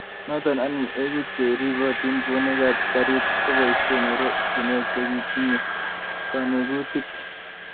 Noto anyun eku che ribotin bunikap garit ngoboisie ortinwek che tinyei konogutik